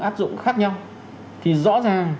áp dụng khác nhau thì rõ ràng